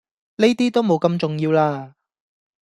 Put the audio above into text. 呢啲都無咁重要喇